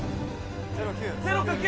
０９！